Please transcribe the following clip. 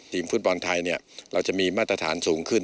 ทีมฟุตบอลไทยเราจะมีมาตรฐานสูงขึ้น